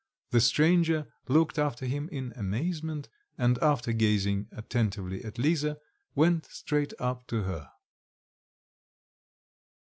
The stranger looked after him in amazement, and after gazing attentively at Lisa, went straight up to her.